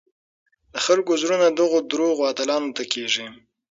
د خلکو زړونه دغو دروغو اتلانو ته کېږي.